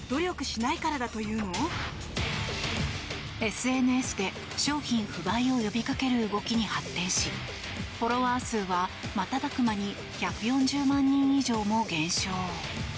ＳＮＳで商品不買を呼びかける動きに発展しフォロワー数は瞬く間に１４０万人以上も減少。